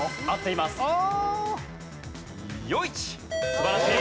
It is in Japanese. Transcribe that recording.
素晴らしい。